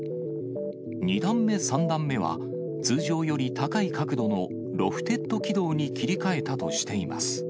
２段目、３段目は、通常より高い角度のロフテッド軌道に切り替えたとしています。